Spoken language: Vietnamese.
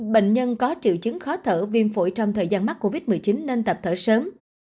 bệnh nhân có triệu chứng khó thở viêm phổi trong thời gian mắc covid một mươi chín nên tập thở sớm